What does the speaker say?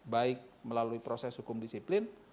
baik melalui proses hukum disiplin